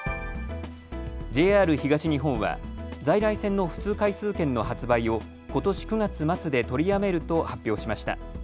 ＪＲ東日本は在来線の普通回数券の発売をことし９月末で取りやめると発表しました。